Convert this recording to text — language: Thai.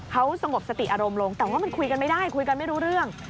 เขาสงบสติอารมณ์ลงแต่ว่ามันคุยกันไม่ได้คุยกันไม่รู้เรื่อง